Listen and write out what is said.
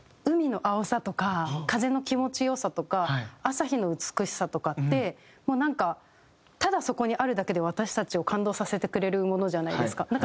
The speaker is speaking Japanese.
海の青さとか風の気持ち良さとか朝日の美しさとかってもうなんかただそこにあるだけで私たちを感動させてくれるものじゃないですか。